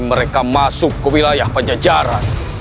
mereka masuk ke wilayah pajajaran